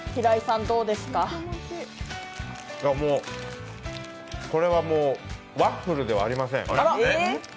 もう、これはもうワッフルではありません。